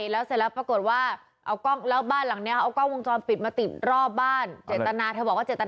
แล้วนี่ยังไงอีกเนี่ย